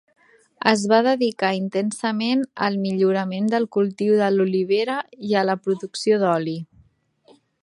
Es va dedicar intensament al millorament del cultiu de l'olivera i a la producció d'oli.